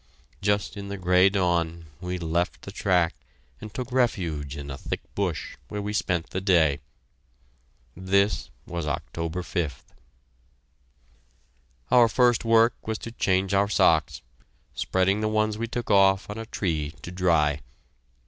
Just in the gray dawn, we left the track and took refuge in a thick bush, where we spent the day. This was October 5th. Our first work was to change our socks, spreading the ones we took off on a tree to dry.